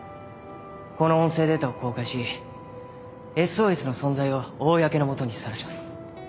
この音声データを公開し「ＳＯＳ」の存在を公の下にさらします